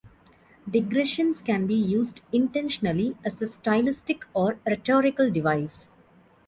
Digressions can be used intentionally as a stylistic or rhetorical device.